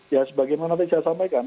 ya sebagaimana tadi saya sampaikan